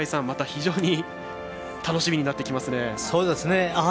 非常に楽しみになってきますね。